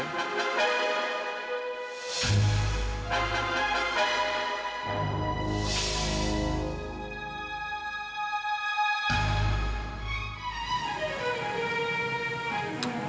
tidak ini adalah percaya